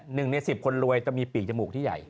หนึ่งในสิบคนรวยจะมีปีกจมูกที่ใหญ่